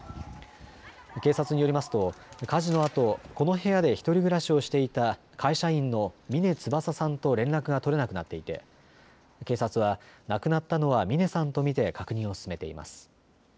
警察によりますと火事のあとこの部屋で１人暮らしをしていた会社員の峰翼さんと連絡が取れなくなっていて警察は亡くなったのは峰さんと見て確認を進めています。